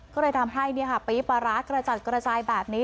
ก็เลยทำให้พลิบบระอาจกระจัดกระจายแบบนี้